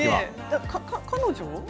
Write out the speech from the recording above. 彼女？